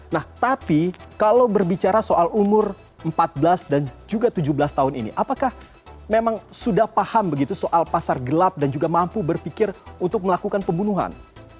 nah tapi kalau berbicara soal umur empat belas dan juga tujuh belas tahun ini apakah memang sudah paham begitu soal pasar gelap dan juga mampu berpikir untuk melakukan pembunuhan